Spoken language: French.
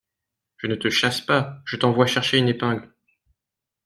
Je ne te chasse pas… je t’envoie chercher une épingle…